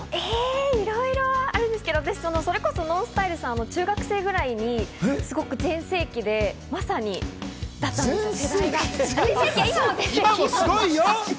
いろいろあるんですけど、ＮＯＮＳＴＹＬＥさんの中学生ぐらいにすごく全盛期でまさに、今もすごいよ。